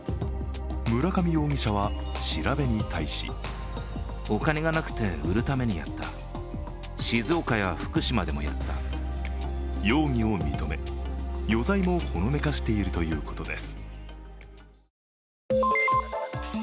村上容疑者は調べに対し容疑を認め、余罪もほのめかしているということです。